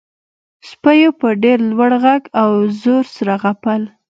سپیو په ډیر لوړ غږ او زور سره غپل